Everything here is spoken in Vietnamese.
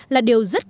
là điều giá tốt nhất